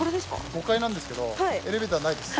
５階なんですけどエレベーターないです。